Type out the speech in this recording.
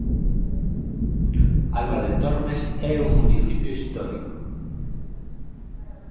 Alba de Tormes é un municipio histórico.